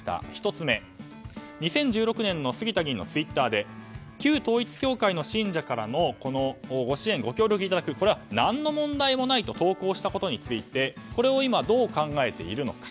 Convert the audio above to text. １つ目、２０１６年の杉田議員のツイッターで旧統一教会の信者からのご支援・ご協力をいただくこれは何の問題もないと投稿したことについてこれを今、どう考えているのか。